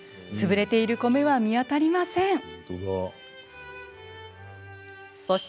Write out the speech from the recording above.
潰れている米は見当たりません。